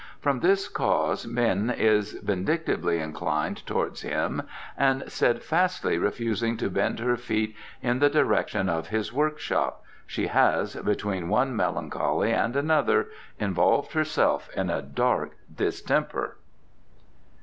From this cause Min is vindictively inclined towards him and, steadfastly refusing to bend her feet in the direction of his workshop, she has, between one melancholy and another, involved herself in a dark distemper."